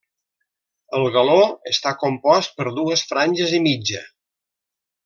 El galó està compost per dues franges i mitja.